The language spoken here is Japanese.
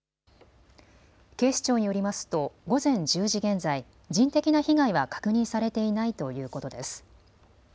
警視庁によりますと午前１０時現在、人的な被害は確認されていないということです。